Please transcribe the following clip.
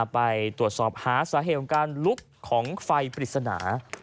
ไปตรวจสอบหาสาเหตุของการลุกของไฟปริศนา